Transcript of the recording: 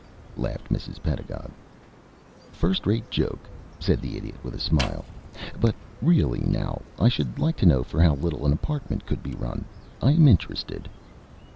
"Hee hee!" laughed Mrs. Pedagog. "First rate joke," said the Idiot, with a smile. "But really, now, I should like to know for how little an apartment could be run. I am interested."